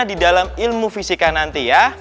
di dalam ilmu fisika nanti ya